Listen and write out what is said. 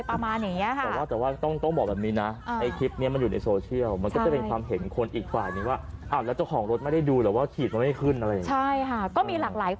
ประมาณว่าเติมน้ำมันยังไง